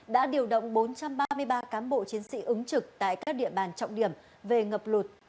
đã điều động bốn trăm ba mươi ba cán bộ chiến sĩ ứng trực tại các địa bàn trọng điểm về ngập lụt